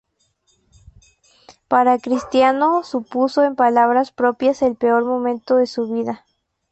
Para Cristiano supuso en palabras propias el peor momento de su vida.